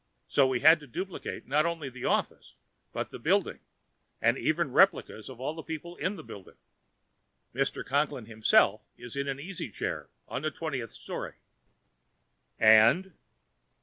So we had to duplicate not only the office, but the building and even replicas of all the people in the building. Mr. Conklin himself is in an easy chair on the twentieth story." "_And?